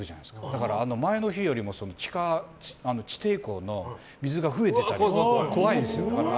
だから、前の日よりも地底湖の水が増えてたりして怖いですよ、だから。